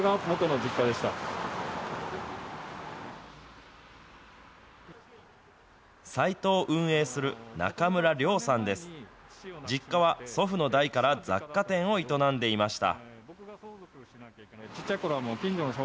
実家は祖父の代から雑貨店を営んでいました。